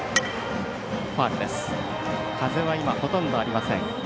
風は今ほとんどありません。